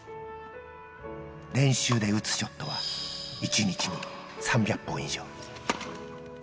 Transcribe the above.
練習で打つショットは１日３００本以上。